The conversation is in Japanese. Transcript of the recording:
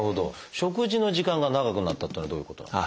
「食事の時間が長くなった」っていうのはどういうこと？